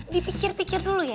dipikir pikir dulu ya